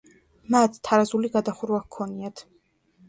მათ თარაზული გადახურვა ჰქონიათ.